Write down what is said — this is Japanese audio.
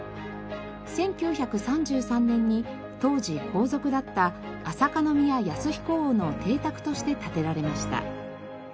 １９３３年に当時皇族だった朝香宮鳩彦王の邸宅として建てられました。